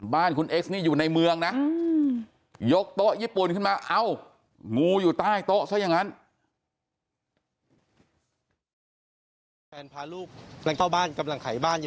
บ้านคุณเอ็กซ์นี่อยู่ในเมืองนะยกโต๊ะญี่ปุ่นขึ้นมา